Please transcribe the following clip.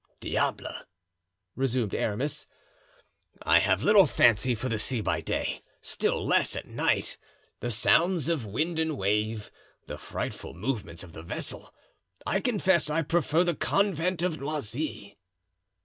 "Diable!" resumed Aramis, "I have little fancy for the sea by day, still less at night; the sounds of wind and wave, the frightful movements of the vessel; I confess I prefer the convent of Noisy."